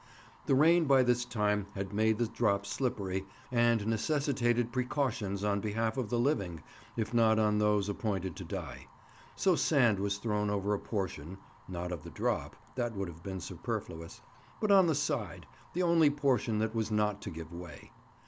The rain by this time had made the drop slippery, and necessitated precautions on behalf of the living if not on those appointed to die; so sand was thrown over a portion (not of the drop—that would have been superfluous), but on the side, the only portion that was not to give way.